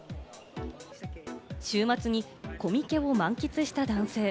週末にコミケを満喫した男性。